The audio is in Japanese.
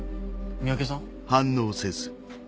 三宅さん